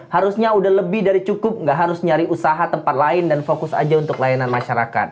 harusnya udah lebih dari cukup nggak harus nyari usaha tempat lain dan fokus aja untuk layanan masyarakat